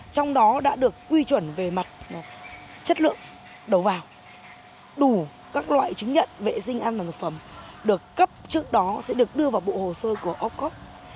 trong đó đã được quy chuẩn về mặt chất lượng đầu vào đủ các loại chứng nhận vệ sinh an toàn thực phẩm được cấp trước đó sẽ được đưa vào bộ hồ sơ của ocop